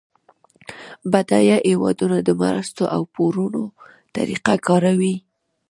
بډایه هیوادونه د مرستو او پورونو طریقه کاروي